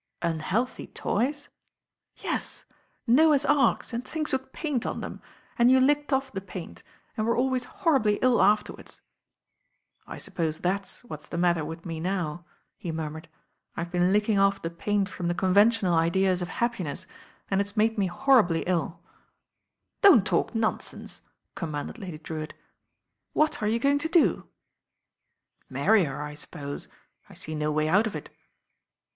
"Unhealthy toys?" "Yes, Noah's Arks and things with paint on them, . and you licked off the paint and were always norribly ill afterwards." "I suppose that's what's the matter with me now," he murmured. "I've been licking off the paint from the conventional ideas of happiness, and it's made me horribly iU." "Don't talk nonsense," commanded Lady Drewitt. "What are you going to do?" "Marry her, I suppose. I see no way out of it."